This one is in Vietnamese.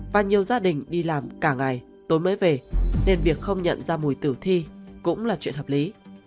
và nhiều gia đình đi làm cả ngày tối mới về nên việc không nhận ra mùi tử thi cũng là chuyện hợp lý